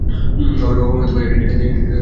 আমার বাবা-মা এখান থেকে অনেক দূরে।